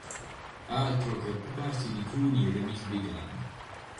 Altro che occuparsi di Cruni e di miss Bigland.